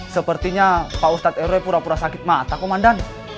sepertinya pak ustadz rw pura pura sakit mata komandan